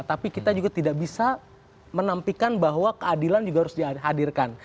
tapi kita juga tidak bisa menampikan bahwa keadilan juga harus dihadirkan